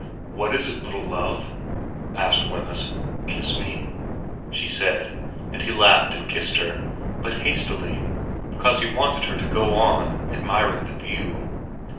' What is it, little Love ?' asked Wemyss. ' Kiss me,' she said ; and he laughed and kissed her, but hastily, because he wanted her to go on admiring the view.